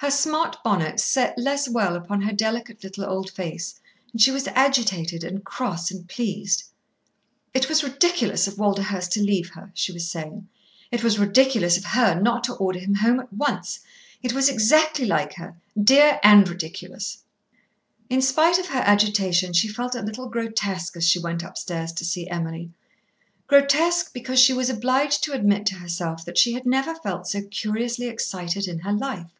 Her smart bonnet set less well upon her delicate little old face, and she was agitated and cross and pleased. "It was ridiculous of Walderhurst to leave her," she was saying. "It was ridiculous of her not to order him home at once. It was exactly like her, dear and ridiculous." In spite of her agitation she felt a little grotesque as she went upstairs to see Emily, grotesque, because she was obliged to admit to herself that she had never felt so curiously excited in her life.